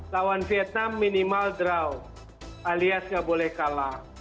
lawan vietnam minimal draw alias nggak boleh kalah